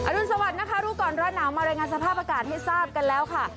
รุนสวัสดิ์นะคะรู้ก่อนร้อนหนาวมารายงานสภาพอากาศให้ทราบกันแล้วค่ะ